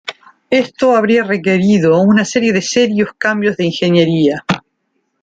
Esto habría requerido una serie de serios cambios de ingeniería.